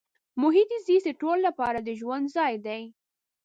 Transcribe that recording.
محیط زیست د ټولو لپاره د ژوند ځای دی.